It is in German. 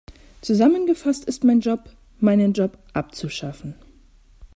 Zusammengefasst ist mein Job, meinen Job abzuschaffen.